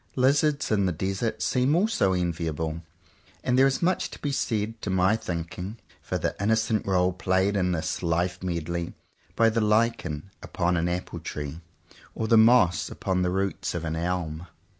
Lizards in the desert seem also enviable; and there is much to be said, to my thinking, for the innocent role played in this life medley by the lichen upon an apple tree, or the moss upon the roots of an elm.